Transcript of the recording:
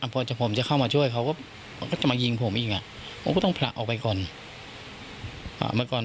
พอผมแน็กเงินมาช่วยเขาก็มันจะมายิงผมอีกพี่สาวผมก็ต้องฉันมาขนาดก่อน